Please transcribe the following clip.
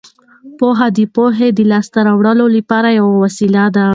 پوهه د پوهې د لاسته راوړلو لپاره یوه وسیله ده.